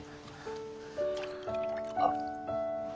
あっ。